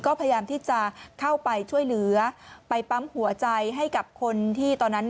ก็พยายามที่จะเข้าไปช่วยเหลือไปปั๊มหัวใจให้กับคนที่ตอนนั้น